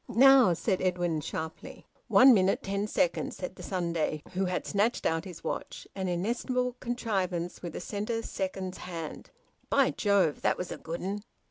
"Now!" said Edwin sharply. "One minute ten seconds," said the Sunday, who had snatched out his watch, an inestimable contrivance with a centre seconds hand. "By Jove! That was a good 'un."